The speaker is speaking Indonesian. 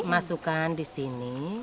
masukkan di sini